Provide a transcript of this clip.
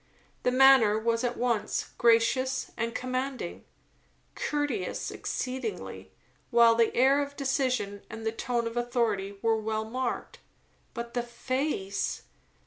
The manner was at once gracious and commanding; courteous exceedingly, while the air of decision and the tone of authority were well marked. But the face!